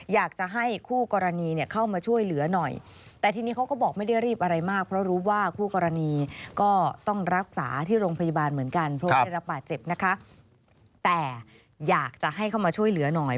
อยากจะให้คู่กรณีเข้ามาช่วยเหลือหน่อย